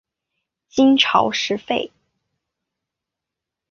金朝时废。